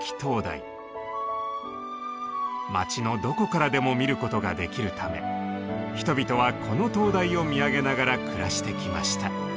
町のどこからでも見ることができるため人々はこの灯台を見上げながら暮らしてきました。